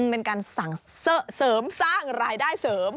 เป็นการสั่งเสริมสร้างรายได้เสริม